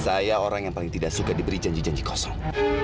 saya orang yang paling tidak suka diberi janji janji kosong